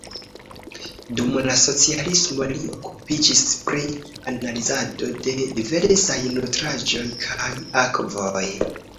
Dum la socialismo li okupiĝis pri analizado de diversaj nutraĵoj kaj akvoj.